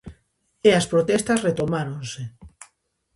E as protestas retomáronse.